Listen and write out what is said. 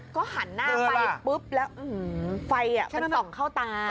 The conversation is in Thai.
ก็หันหน้าไปปุ๊บแล้วไฟมันส่องเข้าตา